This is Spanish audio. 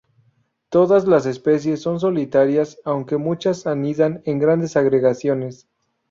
Todas las especies son solitarias, aunque muchas anidan en grandes agregaciones.